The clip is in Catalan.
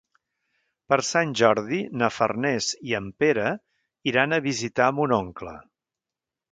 Per Sant Jordi na Farners i en Pere iran a visitar mon oncle.